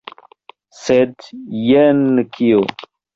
Sed jen kio!